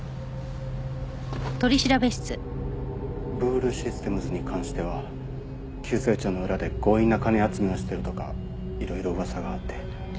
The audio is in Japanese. ブールシステムズに関しては急成長の裏で強引な金集めをしてるとかいろいろ噂があって。